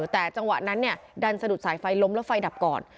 แต่จังหวะนั้นดันสะดุดสายไฟล้มแล้วไฟดับก่อน